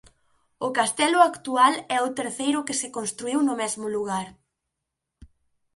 O castelo actual é o terceiro que se construíu no mesmo lugar.